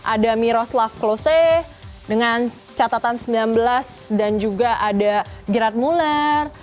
ada miroslav klose dengan catatan sembilan belas dan juga ada giratmuler